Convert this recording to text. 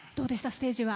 ステージは。